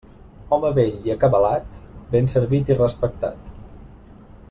Home vell i acabalat, ben servit i respectat.